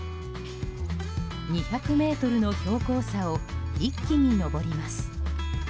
２００ｍの標高差を一気に上ります。